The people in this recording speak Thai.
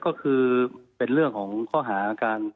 ก็คือเป็นเรื่องของข้อหาการ